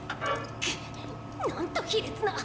クなんと卑劣な。